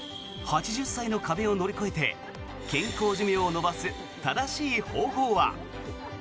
８０歳の壁を乗り越えて健康寿命を延ばす正しい方法は？